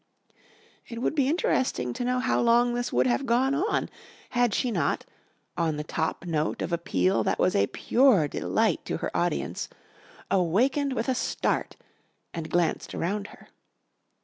It would be interesting to know how long this would have gone on, had she not, on the top note of a peal that was a pure delight to her audience, awakened with a start and glanced around her.